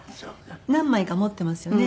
何枚か持ってますよね。